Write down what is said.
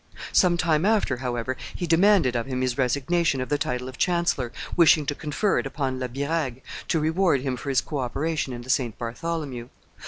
Some time after, however, he demanded of him his resignation of the title of chancellor, wishing to confer it upon La Birague, to reward him for his co operation in the St. Bartholomew.